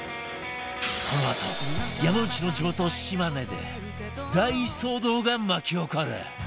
このあと山内の地元島根で大騒動が巻き起こる！